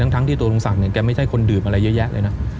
ทั้งที่ตัวลุงศักดิ์แกไม่ใช่คนดื่มอะไรเยอะแยะเลยนะ